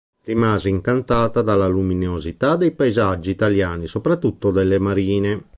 Rimase incantata dalla luminosità dei paesaggi italiani, soprattutto delle marine.